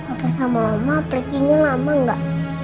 apa sama mama perikinya lama gak